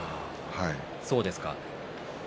そうですか。